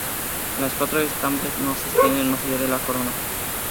Los cuatro estambres no se extienden más allá de la corona.